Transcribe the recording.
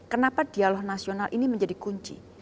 kenapa dialog nasional ini menjadi kunci